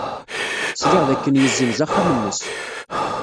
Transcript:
Sliɣ dakken yessenz axxam-nnes.